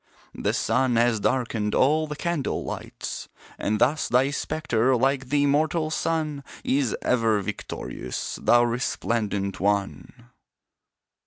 The sun has darkened all the candle lights; And thus thy spectre like the immortal sun, Is ever victorious thou resplendent one!